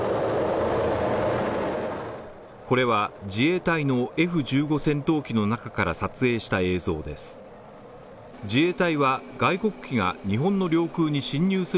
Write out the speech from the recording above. これは自衛隊のＦ−１５戦闘機の中から撮影した映像です。